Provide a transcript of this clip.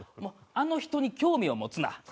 もうあの人に興味を持つな。